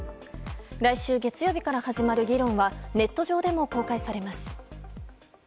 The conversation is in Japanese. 来週月曜日から始まる議論はネット上でも公開されます。